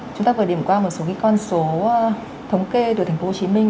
chúng ta vừa điểm qua một số con số thống kê từ thành phố hồ chí minh